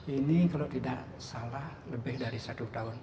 ini kalau tidak salah lebih dari satu tahun